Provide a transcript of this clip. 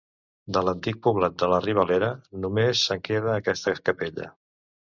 De l'antic poblat de la Ribalera, només en queda aquesta capella.